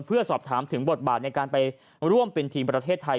เพื่อสอบถามถึงบทบาทในการไปร่วมเป็นทีมประเทศไทย